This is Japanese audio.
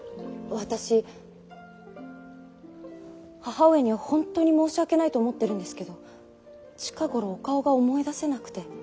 私母上には本当に申し訳ないと思ってるんですけど近頃お顔が思い出せなくて。